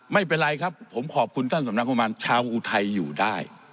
ไม่เป็นไรครับผมขอบคุณท่านสำนักประมาณชาวอุทัยอยู่ได้